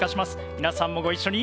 皆さんもご一緒に。